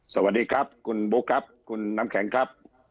สวัสดีครับคุณบุ๊คครับคุณน้ำแข็งครับ